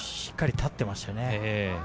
しっかり立っていましたね。